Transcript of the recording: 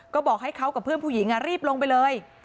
ก็บอกให้เขากับเพื่อนผู้หญิงรีบลงไปเลย